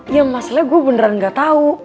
ya masalahnya gue beneran gak tahu